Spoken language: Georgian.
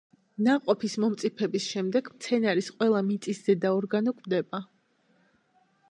ნაყოფის მომწიფების შემდეგ მცენარის ყველა მიწისზედა ორგანო კვდება.